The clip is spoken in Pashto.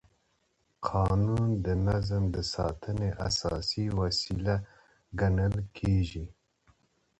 قانون د نظم د ساتنې اساسي وسیله ګڼل کېږي.